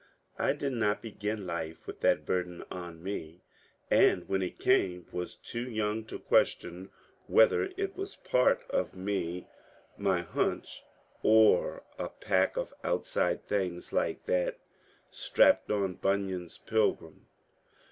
I did not begin life with that burden on me, and, when it came, was too young to question whether it was part of me — my hunch — or a pack of outside things like that strapped on Bunyan's pilgrim.